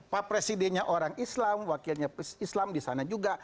pak presidennya orang islam wakilnya islam disana juga